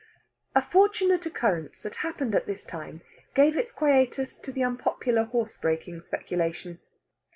A fortunate occurrence that happened at this time gave its quietus to the unpopular horse breaking speculation.